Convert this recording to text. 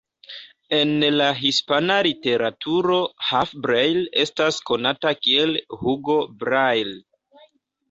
En la hispana literaturo Hugh Blair estas konata kiel Hugo Blair.